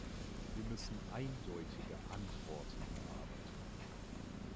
Wir müssen eindeutige Antworten erarbeiten.